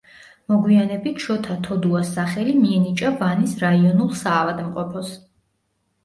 მოგვიანებით შოთა თოდუას სახელი მიენიჭა ვანის რაიონულ საავადმყოფოს.